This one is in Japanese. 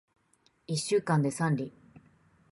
一週間で三里